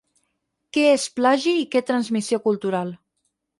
Què és plagi i què transmissió cultural?